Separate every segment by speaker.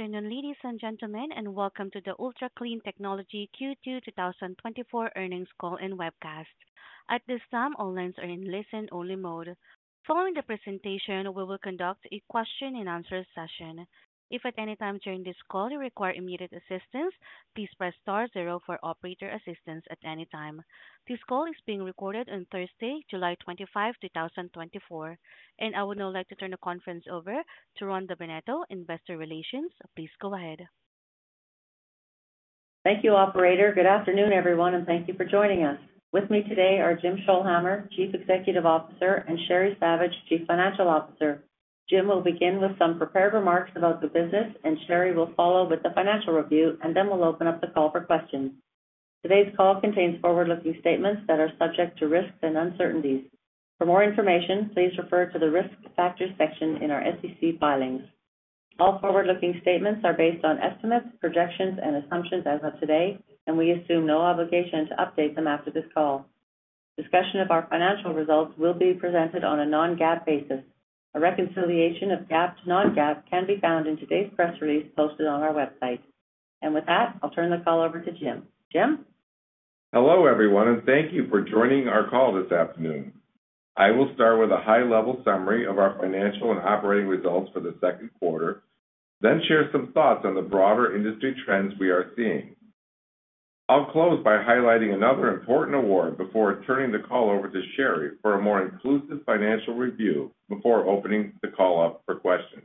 Speaker 1: Afternoon, ladies and gentlemen, and welcome to the Ultra Clean Technology Q2 2024 earnings call and webcast. At this time, all lines are in listen-only mode. Following the presentation, we will conduct a question-and-answer session. If at any time during this call you require immediate assistance, please press star zero for operator assistance at any time. This call is being recorded on Thursday, July 25, 2024. I would now like to turn the conference over to Rhonda Bennetto, Investor Relations. Please go ahead.
Speaker 2: Thank you, Operator. Good afternoon, everyone, and thank you for joining us. With me today are Jim Scholhamer, Chief Executive Officer, and Sheri Savage, Chief Financial Officer. Jim will begin with some prepared remarks about the business, and Sheri will follow with the financial review, and then we'll open up the call for questions. Today's call contains forward-looking statements that are subject to risks and uncertainties. For more information, please refer to the risk factor section in our SEC filings. All forward-looking statements are based on estimates, projections, and assumptions as of today, and we assume no obligation to update them after this call. Discussion of our financial results will be presented on a non-GAAP basis. A reconciliation of GAAP to non-GAAP can be found in today's press release posted on our website. With that, I'll turn the call over to Jim. Jim?
Speaker 3: Hello, everyone, and thank you for joining our call this afternoon. I will start with a high-level summary of our financial and operating results for the second quarter, then share some thoughts on the broader industry trends we are seeing. I'll close by highlighting another important award before turning the call over to Sheri for a more inclusive financial review before opening the call up for questions.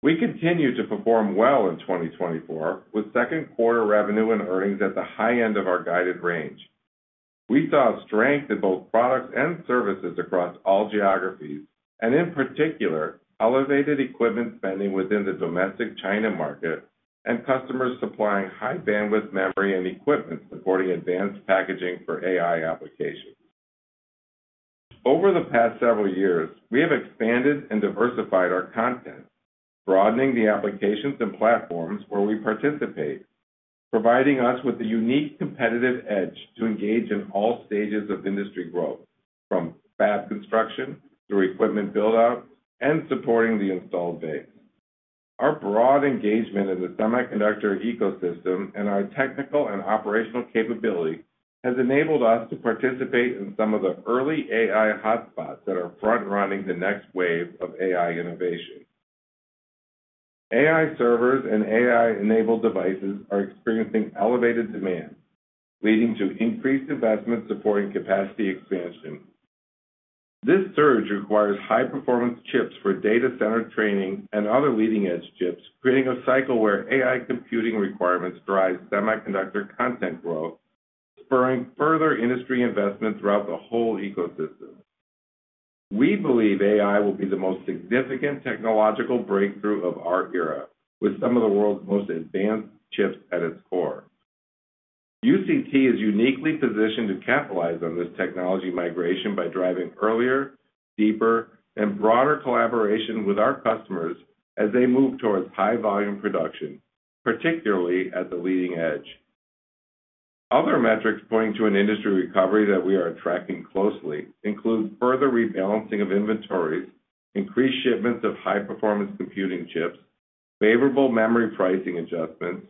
Speaker 3: We continue to perform well in 2024, with second-quarter revenue and earnings at the high end of our guided range. We saw strength in both products and services across all geographies, and in particular, elevated equipment spending within the domestic China market and customers supplying high-bandwidth memory and equipment supporting advanced packaging for AI applications. Over the past several years, we have expanded and diversified our content, broadening the applications and platforms where we participate, providing us with a unique competitive edge to engage in all stages of industry growth, from fab construction through equipment build-out and supporting the installed base. Our broad engagement in the semiconductor ecosystem and our technical and operational capability has enabled us to participate in some of the early AI hotspots that are front-running the next wave of AI innovation. AI servers and AI-enabled devices are experiencing elevated demand, leading to increased investment supporting capacity expansion. This surge requires high-performance chips for data center training and other leading-edge chips, creating a cycle where AI computing requirements drive semiconductor content growth, spurring further industry investment throughout the whole ecosystem. We believe AI will be the most significant technological breakthrough of our era, with some of the world's most advanced chips at its core. UCT is uniquely positioned to capitalize on this technology migration by driving earlier, deeper, and broader collaboration with our customers as they move towards high-volume production, particularly at the leading edge. Other metrics pointing to an industry recovery that we are tracking closely include further rebalancing of inventories, increased shipments of high-performance computing chips, favorable memory pricing adjustments,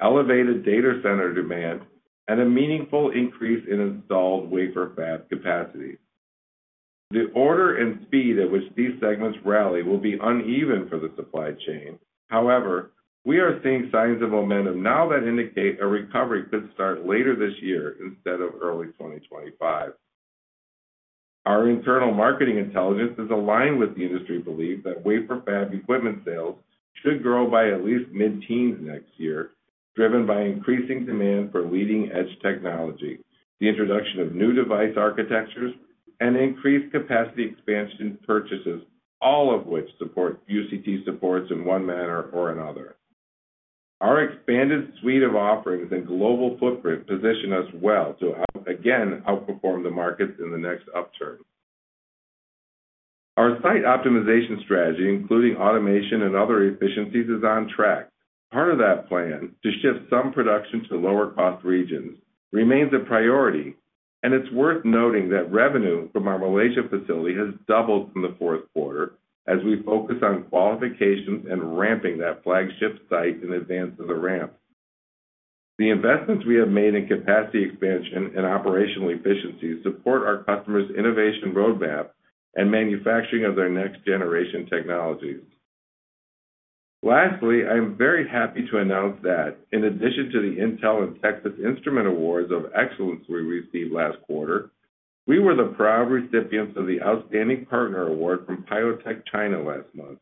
Speaker 3: elevated data-center demand, and a meaningful increase in installed wafer fab capacity. The order and speed at which these segments rally will be uneven for the supply chain. However, we are seeing signs of momentum now that indicate a recovery could start later this year instead of early 2025. Our internal marketing intelligence is aligned with the industry belief that Wafer Fab Equipment sales should grow by at least mid-teens next year, driven by increasing demand for leading-edge technology, the introduction of new device architectures, and increased capacity expansion purchases, all of which UCT supports in one manner or another. Our expanded suite of offerings and global footprint position us well to again outperform the markets in the next upturn. Our site optimization strategy, including automation and other efficiencies, is on track. Part of that plan to shift some production to lower-cost regions remains a priority, and it's worth noting that revenue from our Malaysia facility has doubled in the fourth quarter as we focus on qualifications and ramping that flagship site in advance of the ramp. The investments we have made in capacity expansion and operational efficiency support our customers' innovation roadmap and manufacturing of their next-generation technologies. Lastly, I am very happy to announce that, in addition to the Intel and Texas Instruments Awards of Excellence we received last quarter, we were the proud recipients of the Outstanding Partner Award from Piotech China last month.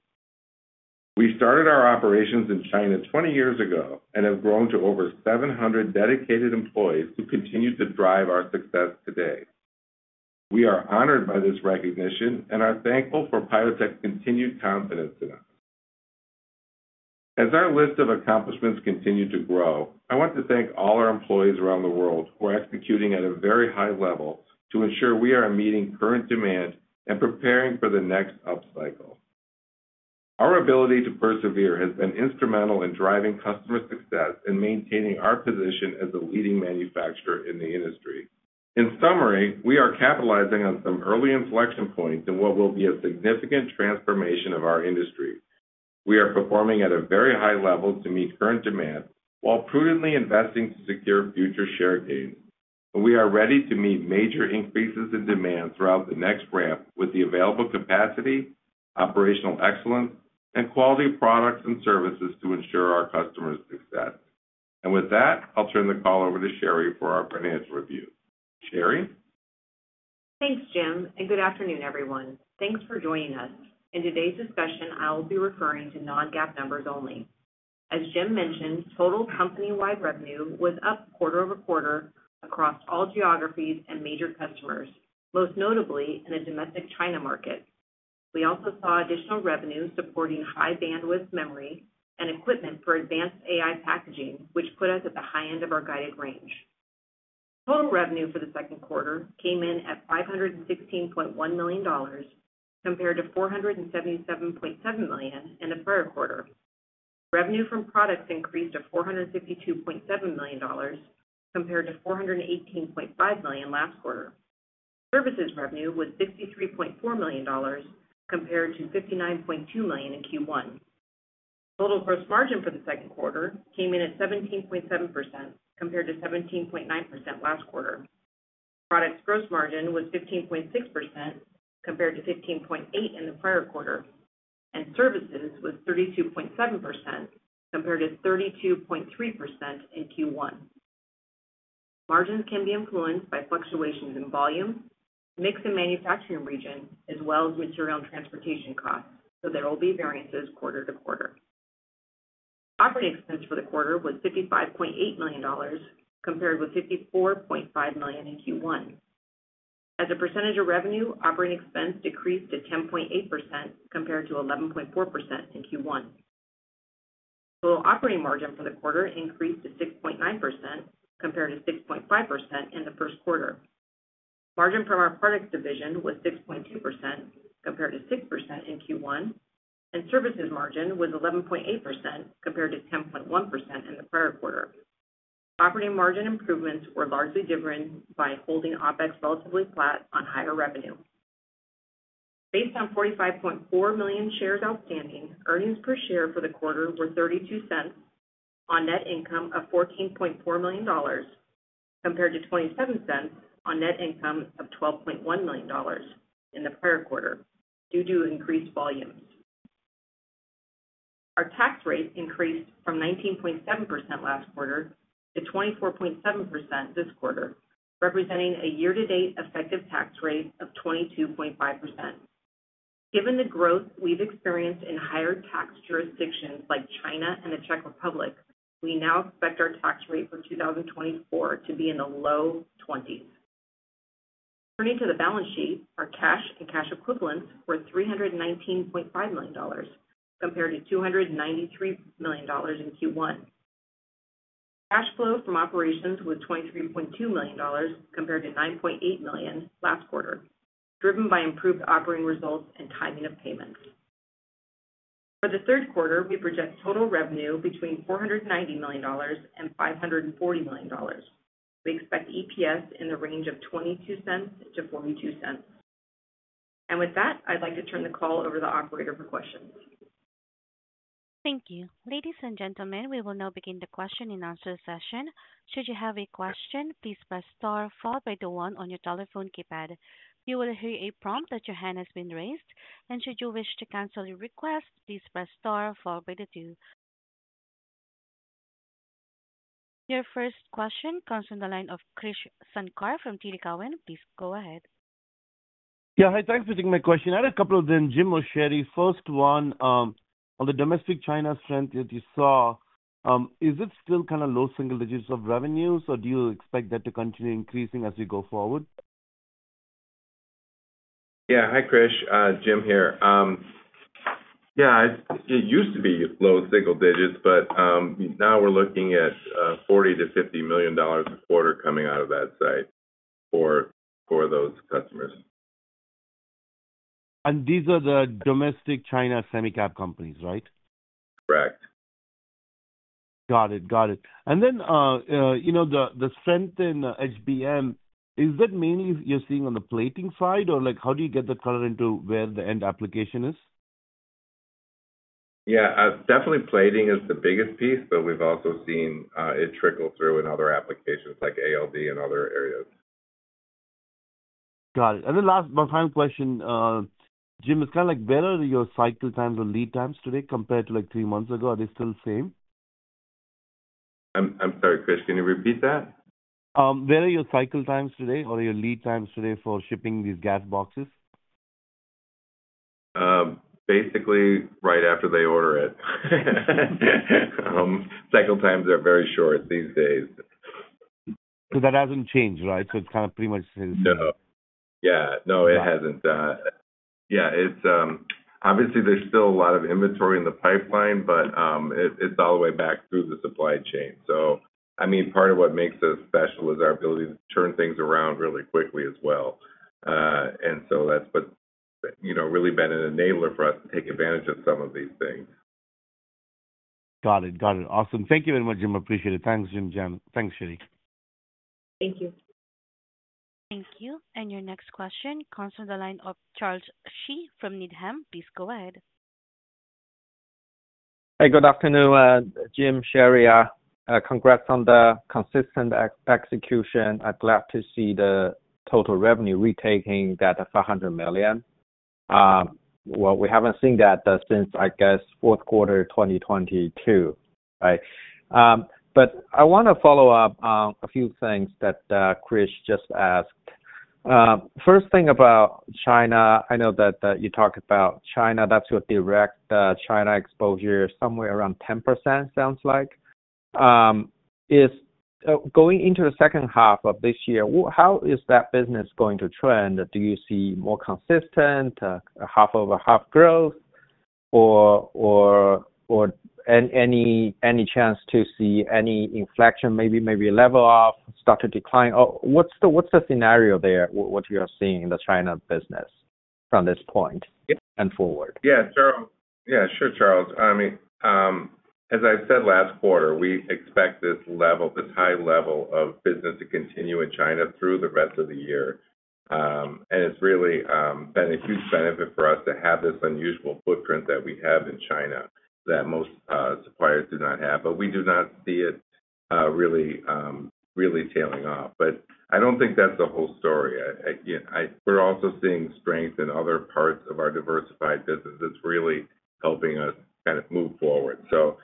Speaker 3: We started our operations in China 20 years ago and have grown to over 700 dedicated employees who continue to drive our success today. We are honored by this recognition and are thankful for Piotech's continued confidence in us. As our list of accomplishments continues to grow, I want to thank all our employees around the world who are executing at a very high level to ensure we are meeting current demand and preparing for the next upcycle. Our ability to persevere has been instrumental in driving customer success and maintaining our position as a leading manufacturer in the industry. In summary, we are capitalizing on some early inflection points in what will be a significant transformation of our industry. We are performing at a very high level to meet current demand while prudently investing to secure future share gains. We are ready to meet major increases in demand throughout the next ramp with the available capacity, operational excellence, and quality products and services to ensure our customers' success. And with that, I'll turn the call over to Sheri for our financial review. Sheri?
Speaker 4: Thanks, Jim. Good afternoon, everyone. Thanks for joining us. In today's discussion, I will be referring to non-GAAP numbers only. As Jim mentioned, total company-wide revenue was up quarter-over-quarter across all geographies and major customers, most notably in the domestic China market. We also saw additional revenue supporting high-bandwidth memory and equipment for advanced AI packaging, which put us at the high end of our guided range. Total revenue for the second quarter came in at $516.1 million compared to $477.7 million in the prior quarter. Revenue from products increased to $452.7 million compared to $418.5 million last quarter. Services revenue was $63.4 million compared to $59.2 million in Q1. Total gross margin for the second quarter came in at 17.7% compared to 17.9% last quarter. Products gross margin was 15.6% compared to 15.8% in the prior quarter, and services was 32.7% compared to 32.3% in Q1. Margins can be influenced by fluctuations in volume, mix and manufacturing region, as well as material and transportation costs, so there will be variances quarter to quarter. Operating expense for the quarter was $55.8 million compared with $54.5 million in Q1. As a percentage of revenue, operating expense decreased to 10.8% compared to 11.4% in Q1. Total operating margin for the quarter increased to 6.9% compared to 6.5% in the first quarter. Margin from our products division was 6.2% compared to 6% in Q1, and services margin was 11.8% compared to 10.1% in the prior quarter. Operating margin improvements were largely driven by holding OpEx relatively flat on higher revenue. Based on 45.4 million shares outstanding, earnings per share for the quarter were $0.32 on net income of $14.4 million compared to $0.27 on net income of $12.1 million in the prior quarter due to increased volumes. Our tax rate increased from 19.7% last quarter to 24.7% this quarter, representing a year-to-date effective tax rate of 22.5%. Given the growth we've experienced in higher tax jurisdictions like China and the Czech Republic, we now expect our tax rate for 2024 to be in the low 20s. Turning to the balance sheet, our cash and cash equivalents were $319.5 million compared to $293 million in Q1. Cash flow from operations was $23.2 million compared to $9.8 million last quarter, driven by improved operating results and timing of payments. For the third quarter, we project total revenue between $490 million-$540 million. We expect EPS in the range of $0.22-$0.42. And with that, I'd like to turn the call over to the Operator for questions.
Speaker 1: Thank you. Ladies and gentlemen, we will now begin the question and answer session. Should you have a question, please press star followed by the one on your telephone keypad. You will hear a prompt that your hand has been raised, and should you wish to cancel your request, please press star followed by the two. Your first question comes from the line of Krish Sankar from TD Cowen. Please go ahead.
Speaker 5: Yeah, hi, thanks for taking my question. I had a couple of them, Jim or Sheri. First one, on the domestic China strength that you saw, is it still kind of low single digits of revenues, or do you expect that to continue increasing as we go forward?
Speaker 3: Yeah, hi, Krish. Jim here. Yeah, it used to be low single digits, but now we're looking at $40 million-$50 million a quarter coming out of that site for those customers.
Speaker 5: These are the domestic China semi-cap companies, right?
Speaker 3: Correct.
Speaker 5: Got it. Got it. And then the strength in HBM, is that mainly you're seeing on the plating side, or how do you get the color into where the end application is?
Speaker 3: Yeah, definitely plating is the biggest piece, but we've also seen it trickle through in other applications like ALD and other areas.
Speaker 5: Got it. And then my final question, Jim, it's kind of like, where are your cycle times or lead times today compared to like three months ago? Are they still the same?
Speaker 3: I'm sorry, Krish, can you repeat that?
Speaker 5: Where are your cycle times today or your lead times today for shipping these gas boxes?
Speaker 3: Basically, right after they order it. Cycle times are very short these days.
Speaker 5: So that hasn't changed, right? So it's kind of pretty much the same?
Speaker 3: No. Yeah, no, it hasn't. Yeah, obviously, there's still a lot of inventory in the pipeline, but it's all the way back through the supply chain. So, I mean, part of what makes us special is our ability to turn things around really quickly as well. And so that's what's really been an enabler for us to take advantage of some of these things.
Speaker 5: Got it. Got it. Awesome. Thank you very much, Jim. Appreciate it. Thanks, Jim. Thanks, Sheri.
Speaker 4: Thank you.
Speaker 1: Thank you. And your next question comes from the line of Charles Shi from Needham. Please go ahead.
Speaker 6: Hey, good afternoon, Jim. Sheri, congrats on the consistent execution. I'm glad to see the total revenue retaking that $500 million. Well, we haven't seen that since, I guess, fourth quarter 2022, right? But I want to follow up on a few things that Krish just asked. First thing about China, I know that you talked about China. That's your direct China exposure, somewhere around 10%, sounds like. Going into the second half of this year, how is that business going to trend? Do you see more consistent, half-over-half growth, or any chance to see any inflection, maybe level off, start to decline? What's the scenario there, what you're seeing in the China business from this point and forward?
Speaker 3: Yeah, sure, Charles. I mean, as I said last quarter, we expect this high level of business to continue in China through the rest of the year. It's really been a huge benefit for us to have this unusual footprint that we have in China that most suppliers do not have. But we do not see it really tailing off. But I don't think that's the whole story. We're also seeing strength in other parts of our diversified business. It's really helping us kind of move forward. So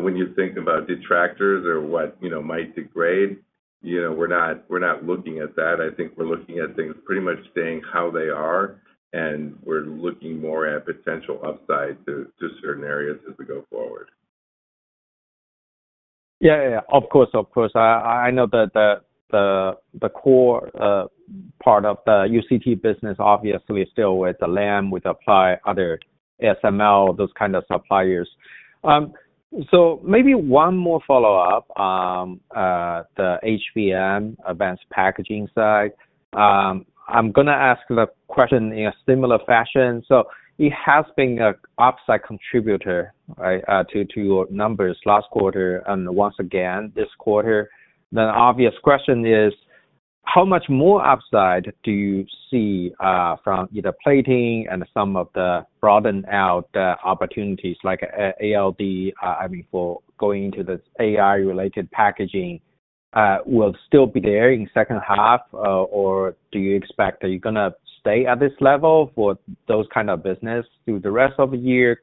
Speaker 3: when you think about detractors or what might degrade, we're not looking at that. I think we're looking at things pretty much staying how they are, and we're looking more at potential upside to certain areas as we go forward.
Speaker 6: Yeah, yeah, yeah. Of course, of course. I know that the core part of the UCT business obviously still with the Lam, with Applied, other ASML, those kind of suppliers. So maybe one more follow-up, the HBM advanced packaging side. I'm going to ask the question in a similar fashion. So it has been an upside contributor to your numbers last quarter and once again this quarter. Then the obvious question is, how much more upside do you see from either plating and some of the broadened-out opportunities like ALD, I mean, for going into this AI-related packaging? Will it still be there in the second half, or do you expect that you're going to stay at this level for those kind of business through the rest of the year,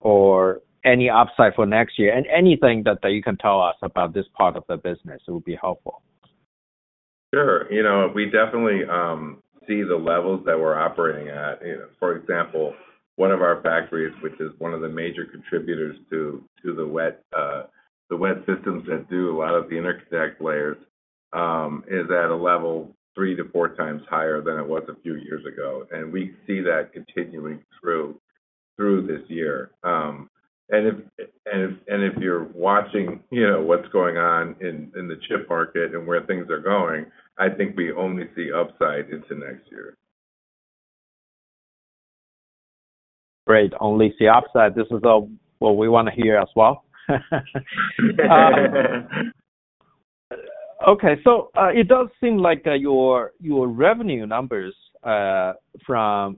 Speaker 6: or any upside for next year? Anything that you can tell us about this part of the business would be helpful.
Speaker 3: Sure. We definitely see the levels that we're operating at. For example, one of our factories, which is one of the major contributors to the wet systems that do a lot of the interconnect layers, is at a level 3-4 times higher than it was a few years ago. And we see that continuing through this year. And if you're watching what's going on in the chip market and where things are going, I think we only see upside into next year.
Speaker 6: Great. Only see upside. This is what we want to hear as well. Okay. So it does seem like your revenue numbers from,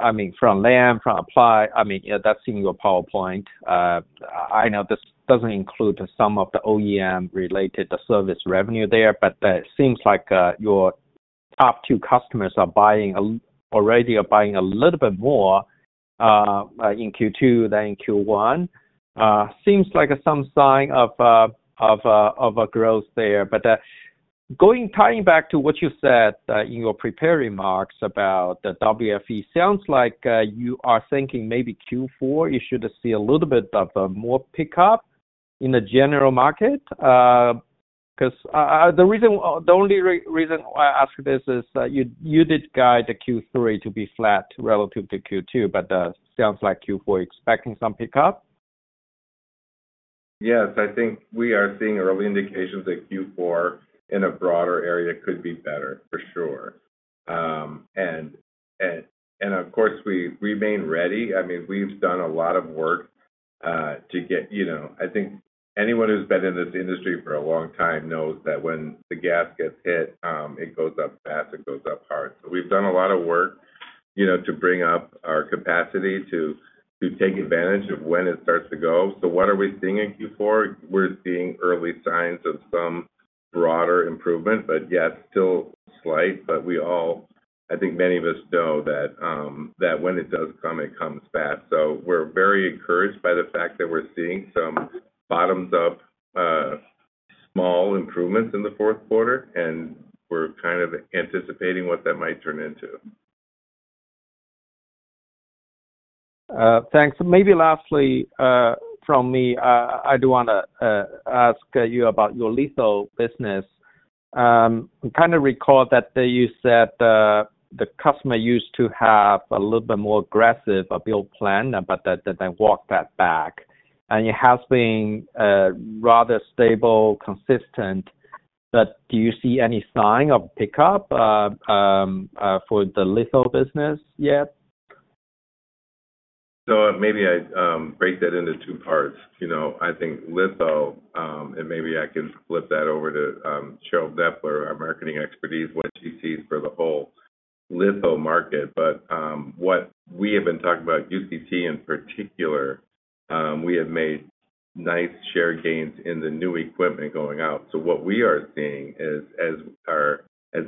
Speaker 6: I mean, from Lam, from Applied Materials, I mean, that's in your PowerPoint. I know this doesn't include some of the OEM-related service revenue there, but it seems like your top two customers are buying already a little bit more in Q2 than in Q1. Seems like some sign of growth there. But going tying back to what you said in your prepared remarks about the WFE, sounds like you are thinking maybe Q4 you should see a little bit of more pickup in the general market. Because the only reason why I ask this is you did guide Q3 to be flat relative to Q2, but it sounds like Q4 you're expecting some pickup?
Speaker 3: Yes. I think we are seeing early indications that Q4 in a broader area could be better, for sure. Of course, we remain ready. I mean, we've done a lot of work to get I think anyone who's been in this industry for a long time knows that when the gas gets hit, it goes up fast. It goes up hard. So we've done a lot of work to bring up our capacity to take advantage of when it starts to go. So what are we seeing in Q4? We're seeing early signs of some broader improvement, but yes, still slight. But I think many of us know that when it does come, it comes fast. So we're very encouraged by the fact that we're seeing some bottoms-up small improvements in the fourth quarter, and we're kind of anticipating what that might turn into.
Speaker 6: Thanks. Maybe lastly from me, I do want to ask you about your legacy business. I kind of recall that you said the customer used to have a little bit more aggressive build plan, but then walked that back. And it has been rather stable, consistent. But do you see any sign of pickup for the legacy business yet?
Speaker 3: So maybe I break that into two parts. I think litho, and maybe I can flip that over to Cheryl Knepfler, our marketing expertise, what she sees for the whole litho market. But what we have been talking about, UCT in particular, we have made nice share gains in the new equipment going out. So what we are seeing is, as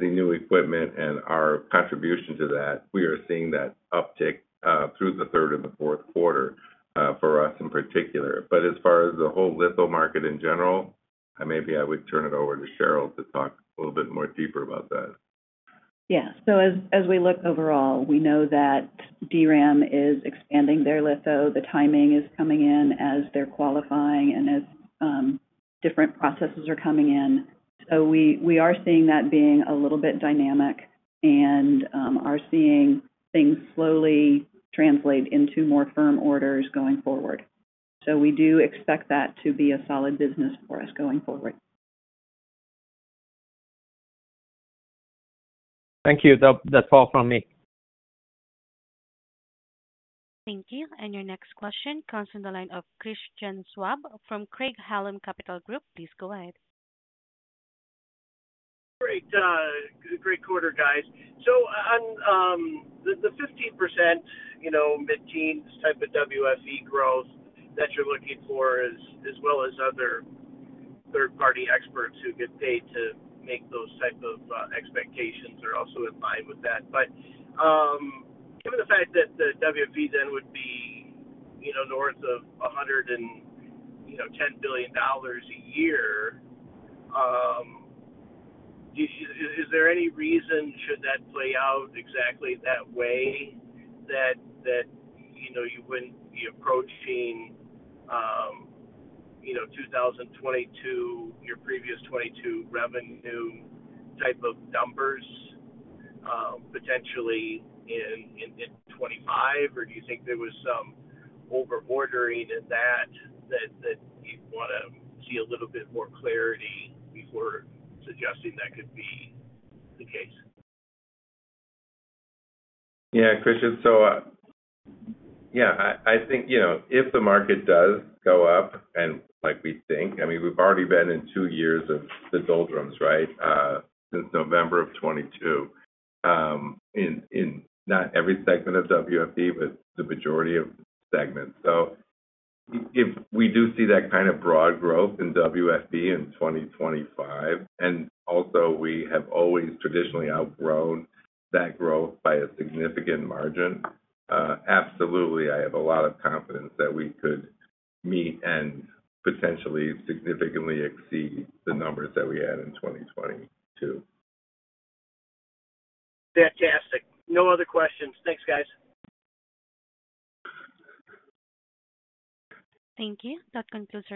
Speaker 3: the new equipment and our contribution to that, we are seeing that uptick through the third and the fourth quarter for us in particular. But as far as the whole litho market in general, maybe I would turn it over to Cheryl Knepfler to talk a little bit more deeper about that.
Speaker 7: Yeah. So as we look overall, we know that DRAM is expanding their lead times. The timing is coming in as they're qualifying and as different processes are coming in. So we are seeing that being a little bit dynamic and are seeing things slowly translate into more firm orders going forward. So we do expect that to be a solid business for us going forward.
Speaker 6: Thank you. That's all from me.
Speaker 1: Thank you. And your next question comes from the line of Christian Schwab from Craig-Hallum Capital Group. Please go ahead.
Speaker 8: Great. Great quarter, guys. So the 15% mid-teens type of WFE growth that you're looking for, as well as other third-party experts who get paid to make those type of expectations, are also in line with that. But given the fact that the WFE then would be north of $110 billion a year, is there any reason, should that play out exactly that way, that you wouldn't be approaching 2022, your previous 2022 revenue type of numbers potentially in 2025? Or do you think there was some over-ordering in that that you'd want to see a little bit more clarity before suggesting that could be the case?
Speaker 3: Yeah, Christian. So yeah, I think if the market does go up, and like we think, I mean, we've already been in two years of the doldrums, right, since November of 2022, in not every segment of WFE, but the majority of segments. So if we do see that kind of broad growth in WFE in 2025, and also we have always traditionally outgrown that growth by a significant margin, absolutely, I have a lot of confidence that we could meet and potentially significantly exceed the numbers that we had in 2022.
Speaker 8: Fantastic. No other questions. Thanks, guys.
Speaker 1: Thank you. That concludes.